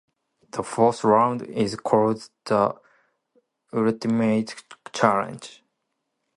The fourth round is called the Ultimate Challenge.